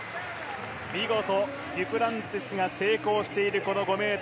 見事デュプランティスが成功している５ｍ６５